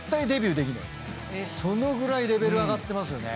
そのぐらいレベル上がってますよね。